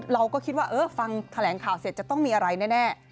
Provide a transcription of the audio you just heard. เราก็คิดว่าเออฟังแถลงข่าวเสร็จจะต้องมีอะไรแน่